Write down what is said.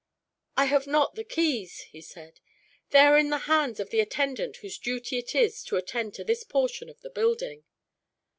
"I have not the keys," he said. "They are in the hands of the attendant whose duty it is to attend to this portion of the building."